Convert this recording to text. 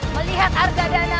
melihat harga dana